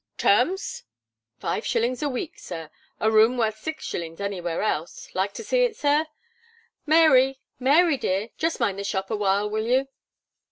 "Terms?" "Five shillings a week, Sir. A room worth six shillings, anywhere else. Like to see it, Sir? Mary Mary, dear, just mind the shop awhile, will you?"